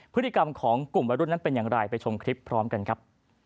พฤติกรรมของกลุ่มวัยรุ่นนั้นเป็นอย่างไรไปชมคลิปพร้อมกันครับ